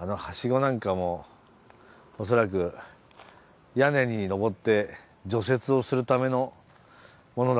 あのはしごなんかも恐らく屋根に上って除雪をするためのものだったのかもしれないね。